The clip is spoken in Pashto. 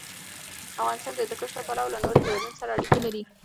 افغانستان د هندوکش له پلوه له نورو هېوادونو سره اړیکې لري.